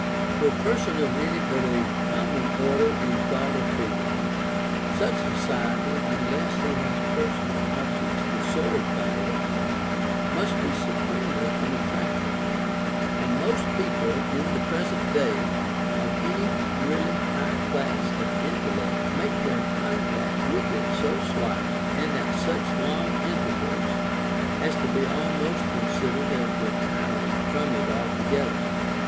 To a person of any but a very common order in thought or feeling, such society, unless he has personal objects to serve by it, must be supremely unattractive: and most people, in the present day, of any really high class of intellect, make their contact with it so slight, and at such long intervals, as to be almost considered as retiring from it altogether.